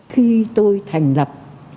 khi tôi thành lập